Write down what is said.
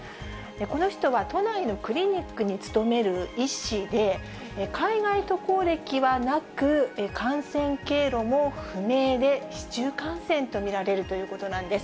この人は都内のクリニックに勤める医師で、海外渡航歴はなく、感染経路も不明で、市中感染と見られるということなんです。